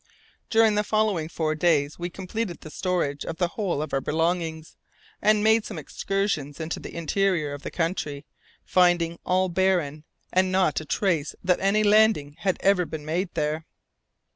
During the following four days, we completed the storage of the whole of our belongings, and made some excursions into the interior of the country, finding "all barren," and not a trace that any landing had ever been made there.